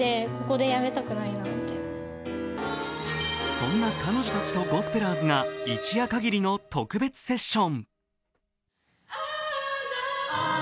そんな彼女たちとゴスペラーズが一夜限りの特別セッション。